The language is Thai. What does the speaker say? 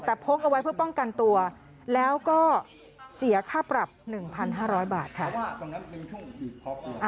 แต่พกเอาไว้เพื่อป้องกันตัวแล้วก็เสียค่าปรับ๑๕๐๐บาทค่ะ